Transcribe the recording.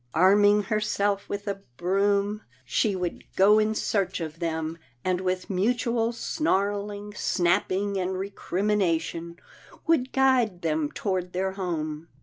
Arming herself with a broom, she would go in search of them, and with mutual snarling, snap ping, and recrimination would guide them toward their home.